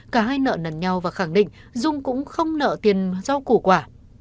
cả hai nợ nần nhau và khẳng định dung cũng không nợ tiền rau củ quả